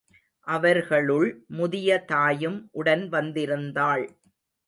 அவர்களுள் முதிய தாயும் உடன் வந்திருந் தாள்.